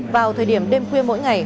vào thời điểm đêm khuya mỗi ngày